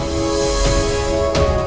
dan miriko lah